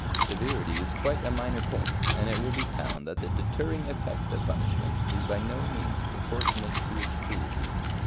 Severity is quite a minor point, and it will be found that the deterring effect of punishment is by no means proportionate to its cruelty.